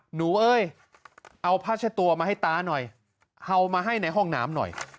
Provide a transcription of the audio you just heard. เอ้ยเอาผ้าเช็ดตัวมาให้ตาหน่อยเอามาให้ในห้องน้ำหน่อย